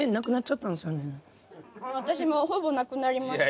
私もほぼなくなりました。